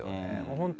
本当